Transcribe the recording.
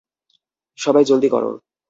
সবাই জলদি করো।